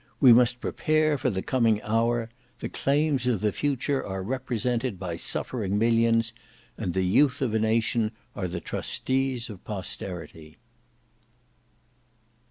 We must prepare for the coming hour. The claims of the Future are represented by suffering millions; and the Youth of a Nation are the trustees of Posterity.